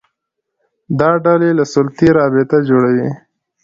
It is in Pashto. دا ډلې له سلطې رابطه جوړوي